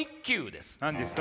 です。